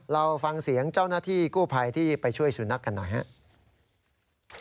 เราฟังเสียงเจ้าหน้าที่กู้ภัยที่ไปช่วยสุนัขกันหน่อยครับ